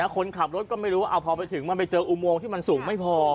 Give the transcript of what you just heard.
คนขับรถก็ไม่รู้ว่าพอไปถึงมันไปเจออุโมงที่มันสูงไม่พอ